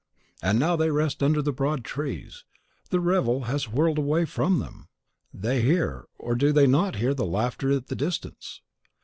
And now they rest under the broad trees. The revel has whirled away from them. They hear or do they not hear the laughter at the distance?